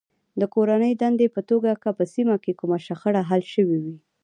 د کورنۍ دندې په توګه که په سیمه کې کومه شخړه حل شوې وي.